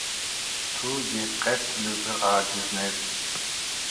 Tu yê qet li vir aciz nebî.